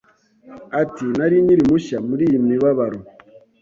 Ati Nari nkiri mushya muri iyi mibabaro